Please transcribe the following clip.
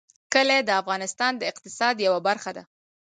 کلي د افغانستان د اقتصاد یوه برخه ده.